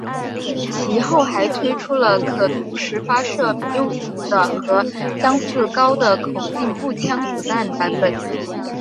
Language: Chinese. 其后还推出了可同时发射民用型的和相似高的口径步枪子弹版本。